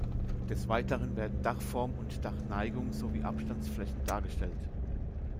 Des Weiteren werden Dachform und Dachneigung sowie Abstandsflächen dargestellt.